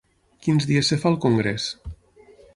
Quins dies es fa el congrés?